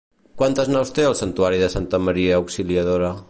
Quantes naus té el Santuari de Santa Maria Auxiliadora?